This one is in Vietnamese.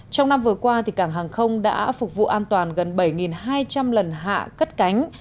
trong năm vừa qua cảng hàng không đã phục vụ an toàn gần bảy hai trăm linh lần hạ cất cánh